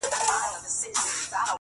هله قربان دې سمه هله صدقه دې سمه”